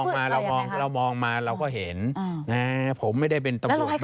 แล้วเราให้คุณปรึกษาเขายังไงคะท่าน